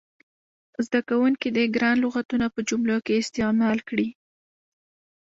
زده کوونکي دې ګران لغتونه په جملو کې استعمال کړي.